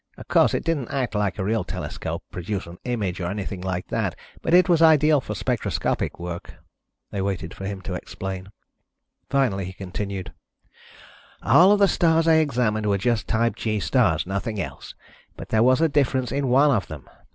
Of course it didn't act like a real telescope, produce an image or anything like that, but it was ideal for spectroscopic work." They waited for him to explain. Finally, he continued: "All of the stars I examined were just type G stars, nothing else, but there was a difference in one of them.